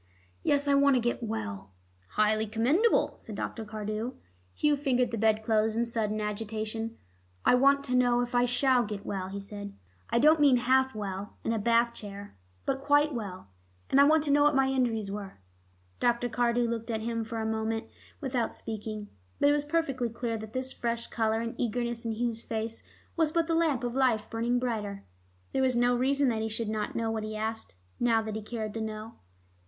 "Yes. I want to get well." "Highly commendable," said Dr. Cardew. Hugh fingered the bed clothes in sudden agitation. "I want to know if I shall get well," he said. "I don't mean half well, in a Bath chair, but quite well. And I want to know what my injuries were." Dr. Cardew looked at him a moment without speaking. But it was perfectly clear that this fresh color and eagerness in Hugh's face was but the lamp of life burning brighter. There was no reason that he should not know what he asked, now that he cared to know.